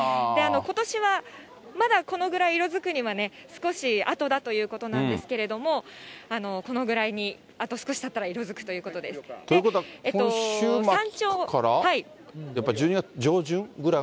ことしは、まだこのぐらい色づくには少しあとだということなんですけれども、このぐらいにあと少したったら色づくということです。ということは今週末から？